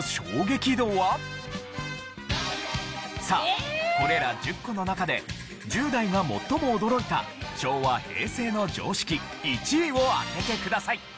さあこれら１０個の中で１０代が最も驚いた昭和・平成の常識１位を当ててください。